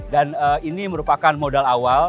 dan ini merupakan modal awal